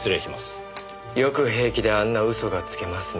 よく平気であんな嘘がつけますね。